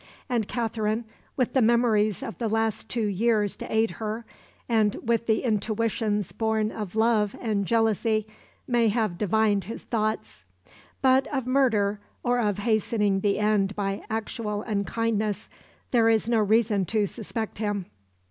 And Katherine, with the memories of the last two years to aid her and with the intuitions born of love and jealousy, may have divined his thoughts. But of murder, or of hastening the end by actual unkindness, there is no reason to suspect him.